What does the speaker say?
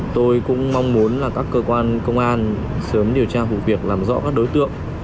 tôi cũng mong muốn là các cơ quan công an sớm điều tra vụ việc làm rõ các đối tượng